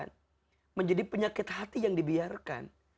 dan dia tidak bisa mencari penyakit hati yang dia hadirkan